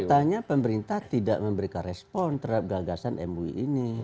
faktanya pemerintah tidak memberikan respon terhadap gagasan mui ini